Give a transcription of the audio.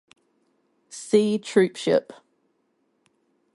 See "Troopship".